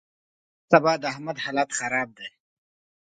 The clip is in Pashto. نن سبا د احمد حالت خراب دی.